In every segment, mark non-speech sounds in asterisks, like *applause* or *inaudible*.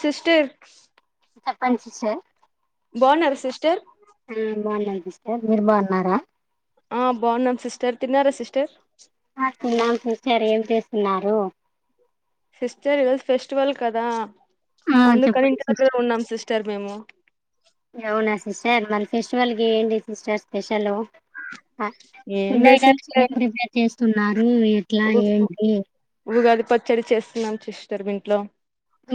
Sister చెప్పండి sister బాగున్నార sister హుం బాగున్నం సిస్టర్ మీరు బాగున్నారా ఆ బాగున్నాం సిస్టర్ తిన్నారా సిస్టర్ ఆ తిన్నాం సిస్టర్ ఏం చేస్తున్నారు సిస్టర్ ఈ రోజు ఫెస్టివల్ కదా ఆ అందుకని చెప్పండి ఇంటి దగ్గర సిస్టర్ ఉన్నాం సిస్టర్ మేము స్టర్ మన ఫెస్టివల్కి ఏంటి సిస్టర్ స్పెషలు ఏం ఫుడ్ లేదు ఐటమ్స్ ఏం సిస్టర్ ప్రిపేర్ చేస్ తు నాద్ హు ఎట్లా ఉ- ఏంటి ఉగాది పచ్చడి చేస్తున్నాం సిస్టర్ ఇంట్లో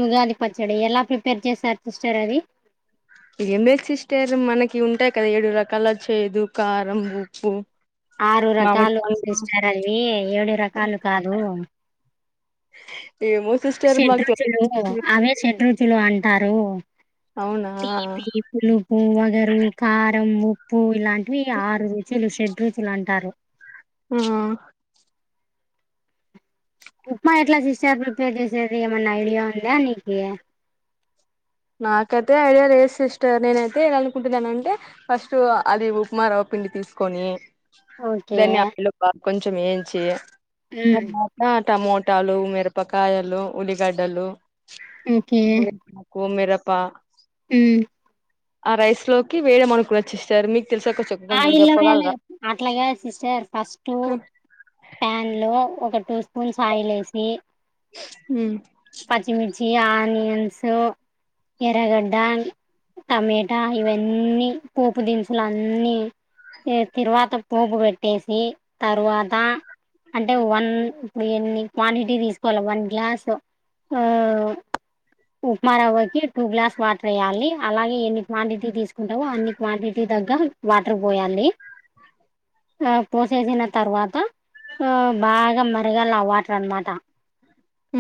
ఉగాది పచ్చడి ఎలా ప్రిపేర్ చేసారు సిస్టార్ అది ఏం లేదు సిస్టర్ మనకి ఉంటాయి కదా ఏడు రకాల చేదు కారం ఉప్పు ఆరు మామిడి రకాలు పండు సిస్టర్ అవి ఏడు రకాలు కాదు *inaudible* సిస్టర్ మాకు తెలి షడ్రుచులు అవే షడ్రుచులు అం టారు అవునా తీపి పులుపు వగరు కారం ఉప్ పువ్వులాం ట్వి ఆరు రుచులు షడ్ రుచులు అంటారు ఆ ఉప్మా ఎట్లా సిస్టర్ ప్రిపేర్ చేసేది ఏమన్నా ఐడియా ఉందా నీకి నాకైతే ఐడియా లేదు సిస్టర్ నేనైతే ఇాలనుకుంటున్నానంటే ఫస్ట్ అది ఉప్మాారవ్వ పిండి తీసుకొని ఓకే దాని ఆ పిల్ల పార్క్. కొంచం ఏంచి. మ్మ్ తర్వాత. టమోటాలు, మిరపకాయలు, ఉల్లిగడ్డలు. ఓకే. ఓ మిరప. ఆ రైస్ లోకి వేయడం అనుకున్న సిస్టర్ మీకు. తెలిసా కొంచెం కొంచెం చెప్పగలరా అట్లా కాదు సిస్టర్ ఫస్ట్ పాన్ లో ఒక టూ స్పూ స్పూన్స్ ఆయిల్ వేసి. ఊహు పచ్చిమిర్చి, ఆనియన్స్, ఎర్రగడ్డ, టమటా. ఇవ్వన్నీ పోపు దినుసులు అన్ని తిరువాత పోపు పెట్టేసి తరువాత అంటే వన్ ఇప్పుడు ఎన్ని క్వాంటిటీ తీసుకోవాలి వన్ గ్లాసు. ఆహ్ ఉప్మా రవ్వ కి టూ గ్లాస్ వాటర్ వేయాలి. అలాగే ఎన్ని క్వాంటిటీ తీసుకుంటావో అన్ని క్వాంటిటీ దగ్గ వాటర్ పోయాలి. ఆహ్ పోసేసిన తర్వాత ఆహ్ బాగా మరగాలి అ వాటర్ అనమాట.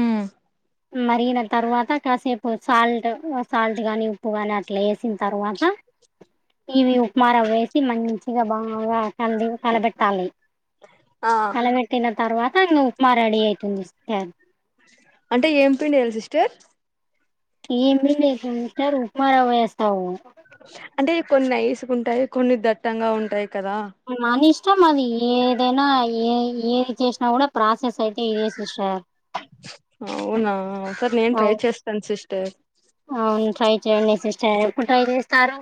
ఉహు మరిగిన తర్వాత కాసేపు సాల్ట్. సాల్ట్ కానీ ఉప్పు గాని అట్. ఇట్లా వేసిన తర్వాత ఇవి ఉప్మా రవ్వ వేసి మంచిగా బాగా కలిపి కలబెట్టాలి. ఆ కలబేట్టినా తర్వా ఆహ్ ఉప్మా రెడీ అవుతుంది. స్థన్ అంటే ఏం పిండేయాలి సిస్టర్. ఏమి పిండి వేస్తారు సిస్టర్. ఉప్మా రవ్వ వేస్తావు. అంటే కొన్ని నైసుకుంటాయి కొన్ని దట్టంగా ఉంటాయి. కదా మని ఇష్టం అది ఏదేనా ఏ ఏది చేసినా కూడా ప్రాసెస్ అయితే ఇదే సిస్టార్. అవునా సరే నేను ట్రై అవు చేస్తాను సిస్టర్. అవును ట్రై చేయండి సిస్టర్ ట్రై చేస్తారు.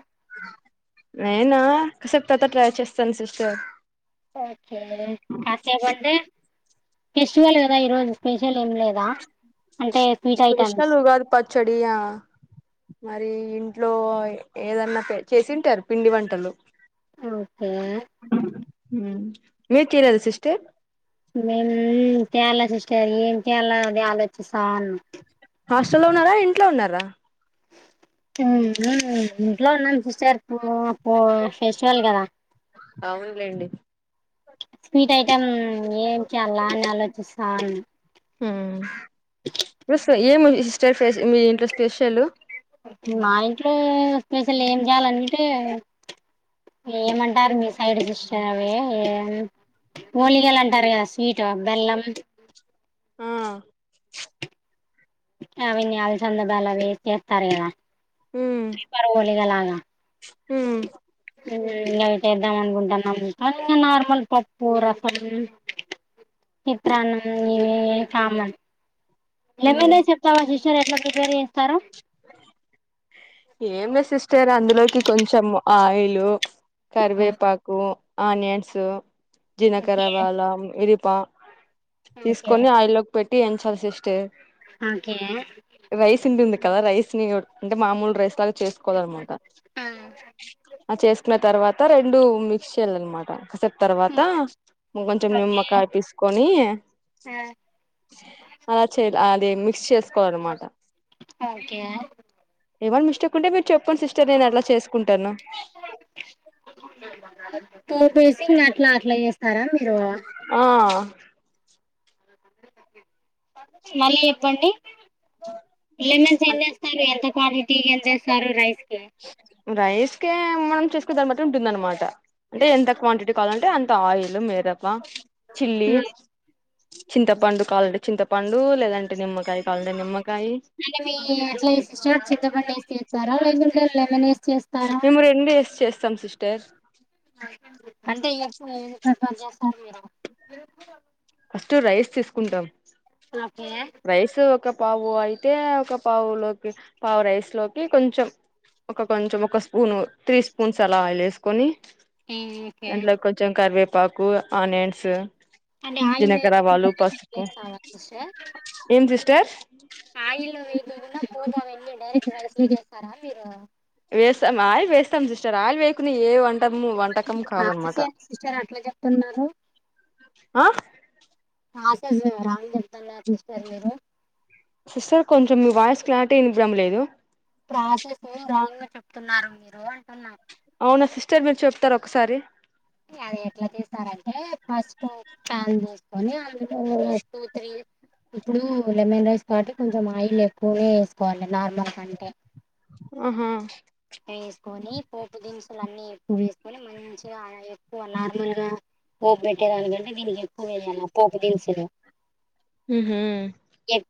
నేనా కాసేపు తర్వాత ట్రై చేస్తాను సిస్టర్. ఓకే కాసేపు అంటే. ఫెస్టివల్ కదా ఈ రోజు స్పెషల్ ఏం లేదా. అంటే స్వీట్ ఐటమ్స్ స్పెషల్ ఉగాది పచ్చడియా మరి ఇంట్లో ఏదన్నా చేసింటారు పిండి వంటలు. ఓకే ఉమ్ ఏ చీరలు సిస్టర్. మేము తేలే సిస్టర్ ఏం చేయాలో అదే ఆలోచిస్తాన్నా. హాస్టల్లో ఉన్నారా ఇంట్లో ఉన్నారా. ఇంట్లో ఉన్నాను సిస్టర్. సరిపో పో. ఫెస్టివల్ కదా. ఔన్లేండి స్వీట్ ఐటెమ్ ఏం చేయాల్లా అని ఆలోచిస్తాన్ ఉమ్ ఉస్ ఏము స్టర్ ఫేస్ మీ ఇంట్లో స్పెషలు మా ఇంట్లో స్పెషల్ ఏం చేయాలంటే ఏమంటారు మీ సైడ్ సిస్టర్ అవి ఏమ్ ఒలిగలు అంటారు గదా స్వీట్ బెల్లం ఆ అవ్విని అలసందదాలు అవి చేస్తారు గదా లోలి లాగా మ్మ్ *inaudible* ఉమ్ నైటేద్దాం అనుకుంటానం ఇంకా నార్మల్ పప్పు, రసం, చిత్రాన్నం ఇవి కామాన్ మ్మ్ ఏమైన చపల శిష్ సర్ ఎట్ల ప్రిపేర్ చేస్తారో ఏమ్లే సిస్టర్ అందులోకి కొంచెం ఆయిలు కర్వే పాకు ఆనియన్సు ఓకే జినకరవాల ఇది పా తీస్కొని ఆయిలోక్ పెట్ ఎంచ్యాల్ సిస్టర్ అకే రైస్ ఉంటుంది కదా రైస్ ని ఒట్ అంటె మామూల్ రైస్ లాగ్ చేస్కోవాలన్నమాట ఆ అ చేస్కున్న తర్వాత రెండు మిక్స్చేయలనమాట స తర్వాతా కొంచెం ఓకే నిమ్మకాయ పిస్కొని ఆ అలా చే అదే మిక్స్ చేస్ ఒ ఓకే ఏవల్ మిష్టేకుంటే వె చెప్పండి సిస్టర్ నేను అట్ల చేస్కుంటాను టేసింగ్ అట్లా అట్ల చేస్ అరం ఇరవా ఆ మళ్ళీ చెప్పండి లేమన్స్ ఎన్నేస్తారు ఎంత క్వాంటిట్ టీ ఎంతేస్తారు రైస్ కి హ్మ్ రైస్ కేం మనం చేసుకో దాన్ని బట్టి ఉంటుంది. అనమాట అంటే ఎంత క్వాంటిటీ కావలన్ టే అంత ఆయిల్ మీద క్వా చిల్లీ హ్మ్. ప్చ్ చింతపండు కావలంటే, చింతపండు లేదన్ అంటే మీ సిస్టర్ చింతపండు వేసి చేస్తారా, లేకుంటే లెమెనీస్ ప్స్ మేము రెండు వేసి చేస్తాం. సిస్టర్ అంటే ఎప్పుడు ఏదోకట్ పని చేస్తాంది. కదా ఫస్ట్ రైస్ తీసుకుంటాం. ఓకే రైస్ ఒక పావు అయి తే ఒక పావులోకి, పావు రైస్లోకి కొంచెం ఒక కొంచెం ఒక స్పూన్, త్రీ స్పూన్స్ అలా ఆయిల్ వేసుకొని ప్చ్ హ్మ్. ఓకే అంట్లో కొంచెం కరివే పాకు ఆనియన్స్ అంటే ఆయిల్ జీలకర్ర ఆవాలు లేకుండానే, పసుపు లెగ్ స్తాయ సిస్టర్ ఏం సిస్టర్ ఆయిల్లో మీరున్న పోపు అవన్నీ, డైరెక్ట్ రైస్ లోకి వేస్తారా. మీరు వేస్తాం ఆయిల్ వేస్తాం సిస్టర్ ఆయిల్ వేకున్న ఏ వం *unintelligible* సిస్టర్ అట్లా చెప్తున్నారు. ఆ ఆస్ *unintelligible* రాంగ్ చెప్తున్నాడారు. సిస్టర్ మీరు సిస్టర్ కొంచెం, మీ వాయిస్ క్లారిటీ ఇన్బ్రమ్ లేదు. ప్రాసెస్ రాంగ్ గా చెప్తున్నారు. మీరు అంటున్నా అవున సిస్టర్ మీరు చెప్తారా. ఒకసారి అది ఎట్లా చేస్తారంటే కొన్ని అందులో టూ, త్రీ ఇప్పుడు లెమన్ రైస్ కావట్టి కొంచెం ఆయిల్ ఎక్కువనే వేసుకోవాలి. నార్మల్ కంటే ఆ హా నెయ్యి వేసుకొని పోపు దినుసులు అన్ని ఎక్కువగా వేసుకొని మంచిగా ఆరబెట్టుకు *unintelligible* పోపు పెట్టేదాని కంటే దీనికి ఎక్కువ వేయాలి. పోపు దినుసులు మ్మ్ హ్మ్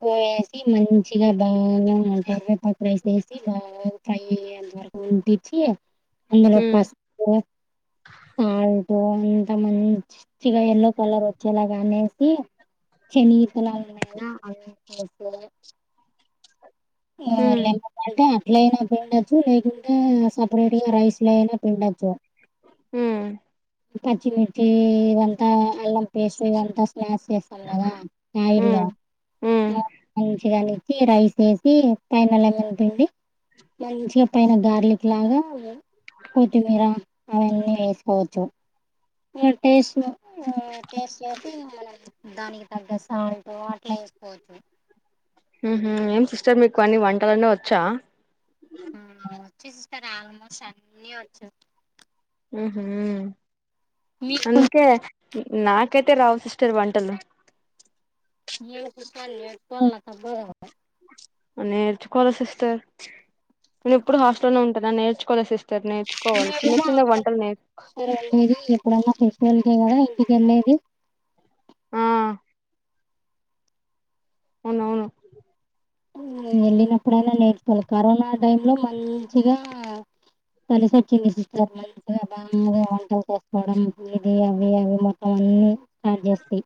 *unintelligible* వేసి మంచిగా బాగా ఆ కరివేపాకు రైస్ వేసి బాగా ఫ్రై య్యాలి. ఇంగ వరకు ఉంటిచ్చి ఆ అందులో ఉ పసుపు ఆవ్ రొంత మంచి చిగా ఎల్లో కలర్, వచ్చే లాగా అనేసి శేనిగి ఇలాగే నేనైనా అవి చూడస్త్ చూడలే ఇంగే హ్ ఉ వాళ్ళంతా పాల్ టా ఇట్లయినా పిండొచ్చు, లేకుంటే సపరేట్ గా రైస్ లోనైనా పిండచ్చు. హ్మ్ హ్ పచ్చి మిర్చి ఇవంతా అల్లమ్ పేస్ట్ ఇదంతా స్మాష్ చేస్తాం. కదా న్యాయిర్లో ఉ ఉ ఇగ మంచిగా అన్ని రైసెస్ పైన లంగనిపిండి మంచిగా పైన గార్లిక్ లాగా కొత్తి మీరా అవన్నీ వేసుకోవచ్చు టేస్ట్ టేస్ట్ చేసి మనం దానికి తగ్గ సాల్ట్ అట్లా వేసుకోవచ్చు ఉ హు ఏం సిస్టర్ మీకు అన్ని వంటలన్ని వచ్చా వచ్చు సిస్టర్ ఆల్మోస్ట్ అన్ని వచ్చు ఉ హు మీకు అందుకే నాకైతే రావు సిస్టర్ వంటలు *unintelligible* ఆ నేర్చుకోవాల సిస్టర్ నేను ఎప్పుడు హాస్టల్లో ఉంటాన నేర్చుకోల సిస్టర్ నేర్చుకోవాలి చిన్న చిన్న వంటలు నేర్ ఇది ఎప్పుడైనా తీసుకెళ్తే కదా ఇంటికి వెళ్ళేది ఆ అవునవును వెళ్ళినప్పుడైనా నేర్చుకోవాలి కరోనా టైమ్ లో మంచిగా కలిసి వచ్చింది సిస్టర్ మంచిగా బాగా వంటలు చేసుకోవడం ఇది అవి అవి మొత్తం అన్ని స్టార్ట్ చేస్టీ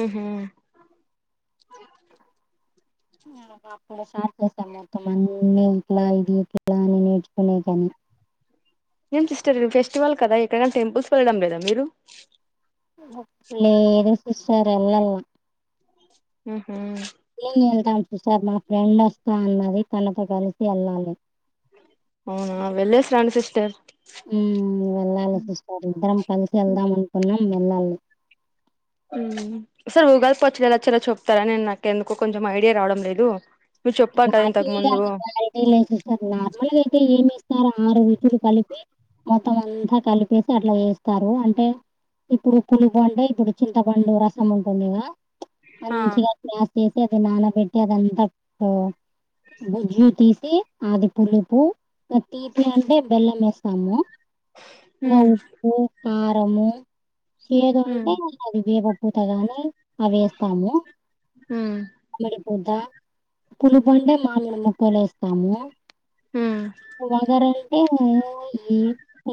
ఊహు అప్పుడు స్టార్ట్ చేసాం మొత్తం అన్ని ఇట్లా ఇది ఇట్లా అని నేర్చుకునే దాన్ని ఏం సిస్టర్ మీ ఫెస్టివల్ కదా ఎటైనా టెంపుల్స్ కి వెళ్ళడం లేదా మీరు లేదు సిస్టర్ ఎల్లలా ఊహు నేను వెళ్తాం సిస్టర్ మా ఫ్రెండ్ వస్తా అన్నది తనతో కలిసి వెళ్ళాలి అవునా వెళ్ళేసి రండి సిస్టర్ ఊ వెళ్ళాలి సిస్టర్ ఇద్దరం కలిసి వెళ్దాం అనుకున్నాం వెళ్ళాలి ఊ సార్ ఉగాది పచ్చడీ ఎలా చేయాలో చెప్తారా నేను నాకు ఎందుకొ కొంచెం ఐడియా రావడం లేదు మీరు చెప్పారు కదా క్వాలిటీ ఇంతకు ముందు లే లేదు సార్ నార్మల్ గా అయితే ఏమి సరే ఆరు రుచులు కలిపి మొత్తం అంతా కలిపేసి అట్లా చేస్తారు అంటే ఇప్పుడు పులి బండే ఇప్పుడు చింతపండు రసం ఉంటుంది కదా ఆ మంచిగా అట్లా అది నాన పెట్టి అదంతా ఆ గుజ్జు తీసి అది పులుపు తీపి అంటే బెల్లం వేస్తాము ఉ అ ఉప్పు కారము తీయగా ఉ ఉంటే అది పూతగాని అవెస్తాము మరి వొద్దా పులుపుండే మామిడి ముక్కలు వే ఉ ఉ వగరంటే మోహి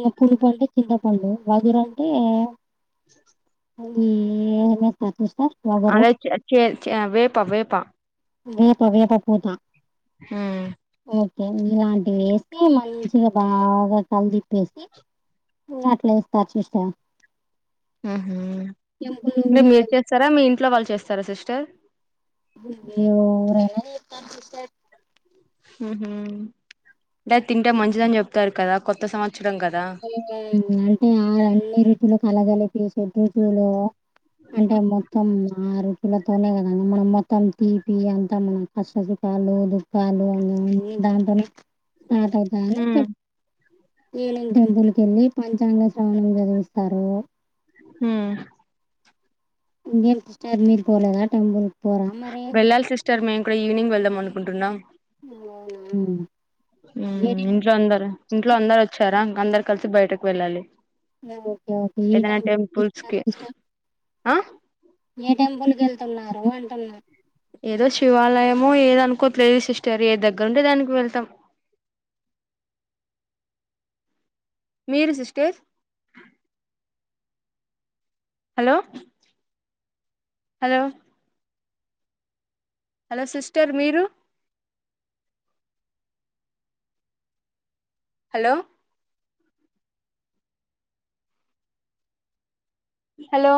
లేకుంటంటే చిన్న హలో వధుర అంటే *inaudible* ఇది ఏమైనా పట్టిస్తార్ అరె చె చె వేప వేప వేప్ ప వేప పూత హ్మ్ ఓకే ఇలాంటివేసి మంచిగా బాగా కలితిప్పేసి మ్ అట్ల ఏస్తా చూస్తా. ఆహా అంటే మీరు చేస్తారా మీ ఇంట్లో వాళ్ళు చేస్తారా సిస్ స్టర్ ఏవ్ రైనా చేత్తారు సిస్టర్ హుహూ టే తింటే మంచిదని చెప్తారు కదా కొత్త సంవ తెలంగాణ *unintelligible* అంటే ఆరల్లే రుచులు కలగలిపి షడ్రుచులు అంటే మొత్తం మ ఆ రుచులతోనే కద మనం మొత్తం తీపి అంతా మనం కష్ట సుఖాలు దుఃఖాలు అన్ని దాంతోనే ఆటోదాని ఉమ్ *unintelligible* ఇయ్యాలె ఇ టెంపుల్ కెళ్ళి పంచాంగ శ్రవణం చదివిస్తారూ మ్మ్ ఇంకేమ్ సిస్టర్ మీరు పోలేదా టెంపుల్ పోరా మరి వెళ్ళాలి సిస్టర్ మేము కూడా ఈవినింగ్ వెళ్దాం మను ఉంటున్నామ్ అవునా *unintelligible* ఏ మ్ టెంపుల్ ఇంట్లో అందరు ఇంట్లో అందరు అచ్చారా అందరు కలిసి బయటకు వెళ్ళాలి ఓకే ఓకే ఏ ఏదైనా టైం టెంపుల్స్ *unintelligible* కి సిస్టర్ ఆ ఏ టెంపులు ఎళ్తున్నారు అంటున్న ఏదో శివాలయము ఏదో అనుకోట్లేదు సిస్టర్ ఏ దగ్గరుంటే దానికి వెళతాం మీరు sister hello hello hello sister మీరు హలో హలో